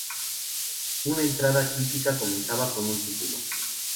Una entrada típica comenzaba con un título.